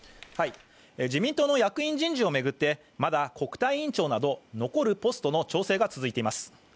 自民党の役員人事を巡ってまだ国対委員長など残るポストの調整が続いています。